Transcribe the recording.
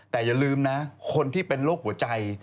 แต่อย่าลืมนะคนที่เป็นโรคหัวใจ